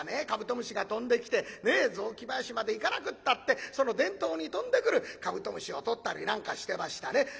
カブトムシが飛んできてねえ雑木林まで行かなくったってその電灯に飛んでくるカブトムシを捕ったりなんかしてましたね。